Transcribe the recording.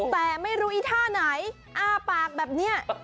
แต่ไม่รู้อีท่าไหนอ้าปากแบบนี้